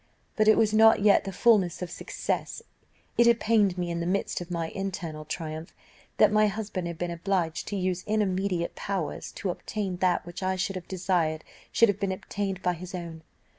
"But it was not yet the fulness of success; it had pained me in the midst of my internal triumph, that my husband had been obliged to use intermediate powers to obtain that which I should have desired should have been obtained by his own.